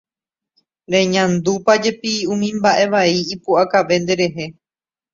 Reñandúpajepi umi mba'evai ipu'akave nderehe.